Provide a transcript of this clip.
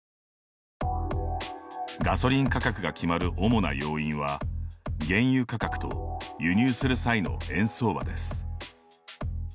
ガソリン価格が決まる主な要因は、原油価格と輸入する際の円相場です。